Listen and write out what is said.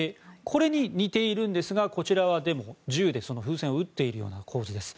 これに似ているんですがこちらは、でも、銃で風船を撃っているような構図です